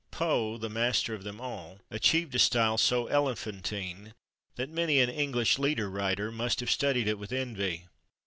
Poe, the master of them all, achieved a style so elephantine that many an English leader writer must have studied it with envy.